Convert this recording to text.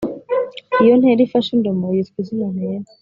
iyo ntera ifashe indomo yitwa izina ntera